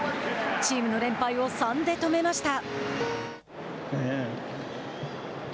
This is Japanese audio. チームの連敗を３で止めました。